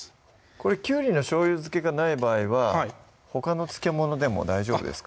これきゅうりのしょうゆ漬けがない場合はほかの漬物でも大丈夫ですか？